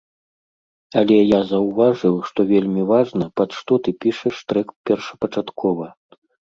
Але я заўважыў, што вельмі важна, пад што ты пішаш трэк першапачаткова.